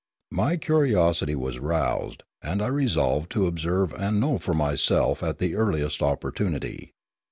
My curiosity was roused, and I resolved to observe and know for myself at the earliest opportunity.